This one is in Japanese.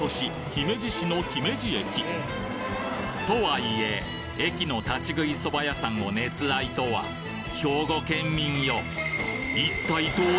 姫路市のとはいえ駅の立ち食いそば屋さんを熱愛とは兵庫県民よ